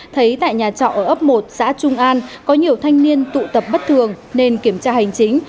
thấy tại nhà trọ ở ấp một xã trung an có nhiều thanh niên tụ tập bất thường nên kiểm tra hành chính